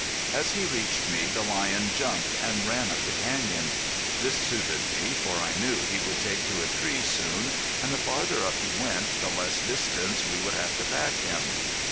As he reached me the lion jumped and ran up the canyon. This suited me, for I knew he would take to a tree soon and the farther up he went the less distance we would have to pack him.